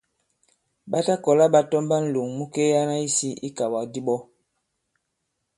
Ɓa ta kɔ̀la ɓa tɔmba ǹlòŋ mu kelyana isī ikàwàkdi ɓɔ.